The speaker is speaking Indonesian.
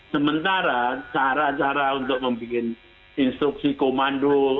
sementara cara cara untuk membuat instruksi komando